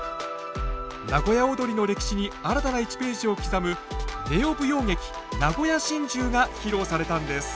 名古屋をどりの歴史に新たな１ページを刻むＮＥＯ舞踊劇「名古屋心中」が披露されたんです。